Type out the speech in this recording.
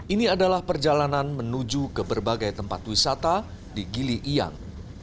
ini adalah perjalanan menuju ke berbagai tempat wisata di gili iang